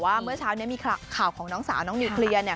เมื่อเช้านี้มีข่าวของน้องสาวน้องนิวเคลียร์เนี่ย